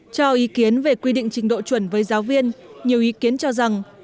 cho ý kiến về quy định trình độ chuẩn với giáo viên nhiều ý kiến cho rằng